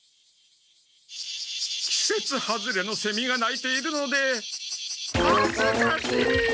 きせつ外れのセミが鳴いているのではずかしい！